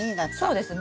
そうです。